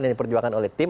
yang diperjuangkan oleh tim